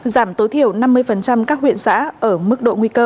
giảm tối thiểu năm mươi các huyện xã ở mức độ nguy cơ